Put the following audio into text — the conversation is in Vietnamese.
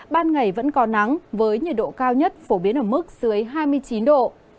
ban ngày vẫn có nắng với nhiệt độ cao nhất phổ biến ở mức dưới hai mươi chín độ